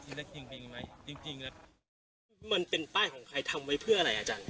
ถามว่ามีจริงจริงเป็นยังไงจริงจริงแหละมันเป็นป้ายของใครทำไว้เพื่ออะไรอาจารย์